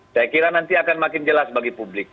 saya kira nanti akan makin jelas bagi publik